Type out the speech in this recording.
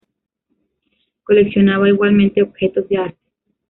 Coleccionaba igualmente objetos de arte.